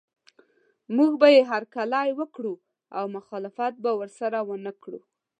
موږ به یې هرکلی وکړو او مخالفت به ورسره ونه کړو.